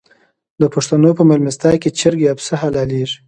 د پښتنو په میلمستیا کې چرګ یا پسه حلاليږي.